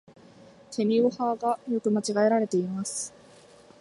てにをはが、よく間違えられています。